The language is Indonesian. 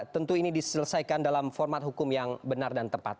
tentu ini diselesaikan dalam format hukum yang benar dan tepat